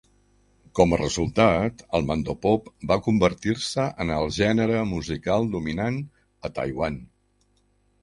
Com a resultat, el mandopop va convertir-se en el gènere musical dominant a Taiwan.